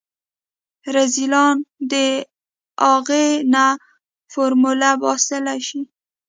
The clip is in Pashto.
رذيلان د اغې نه فارموله باسلی شي.